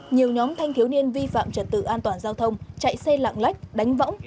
nhiều nhóm thanh thiếu niên vi phạm trật tự an toàn giao thông chạy xe lạng lách đánh võng